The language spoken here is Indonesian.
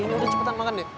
ini udah cepetan makan deh